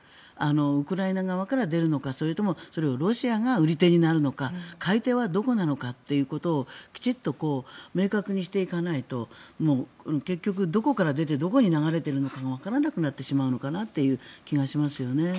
ウクライナ側から出るのかそれとも、それがロシアが売り手になるのか買い手はどこなのかということをきちっと明確にしていかないと結局どこから出てどこに流れているのかがわからなくなってしまうのかなという気がしますよね。